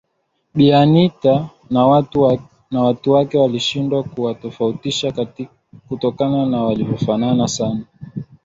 Bi Anita na watu wake walishindwa kuwatofautisha kutokana na walivofanana sana